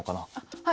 はい。